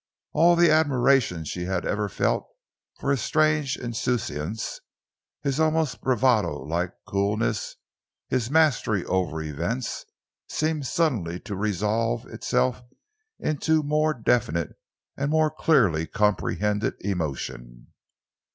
All the admiration she had ever felt for his strange insouciance, his almost bravado like coolness, his mastery over events, seemed suddenly to resolve itself into more definite and more clearly comprehended emotion.